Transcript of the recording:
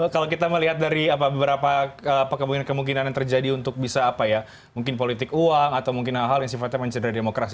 kalau kita melihat dari beberapa kemungkinan kemungkinan yang terjadi untuk bisa apa ya mungkin politik uang atau mungkin hal hal yang sifatnya mencedera demokrasi